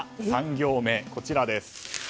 ３行目、こちらです。